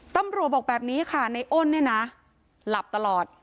บอกแบบนี้ค่ะในอ้นเนี่ยนะหลับตลอด